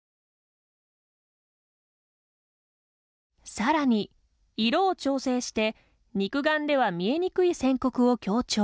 さらに、色を調整して肉眼では見えにくい線刻を強調。